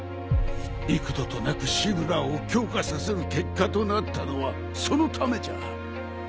幾度となくシブラーを強化させる結果となったのはそのためじゃ。